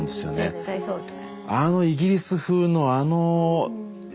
絶対そうですね。